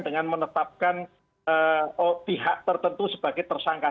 dengan menetapkan pihak tertentu sebagai tersangka